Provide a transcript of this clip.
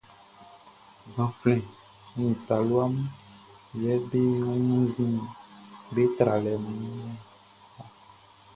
Gbanflɛn nin talua mun yɛ be wunnzin be tralɛ mun ɔn.